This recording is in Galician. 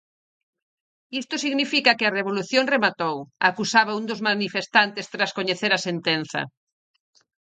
"Isto significa que a revolución rematou", acusaba un dos manifestantes tras coñecer a sentenza.